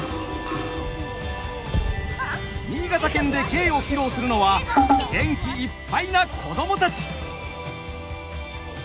新潟県で芸を披露するのは元気いっぱいな子どもたち。